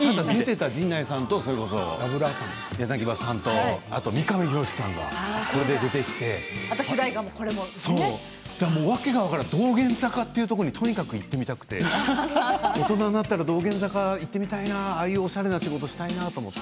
それこそ陣内孝則さんと柳葉敏郎さんと三上博史さんが出てきて訳が分からない道玄坂というところにとにかく行ってみたくて大人になったら道玄坂に行ってみたいなああいうおしゃれな仕事をしたいなと。